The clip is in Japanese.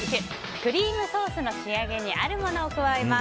クリームソースの仕上げにあるものを加えます。